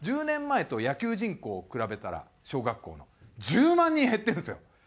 １０年前と野球人口を比べたら小学校の１０万人減ってるんですよ。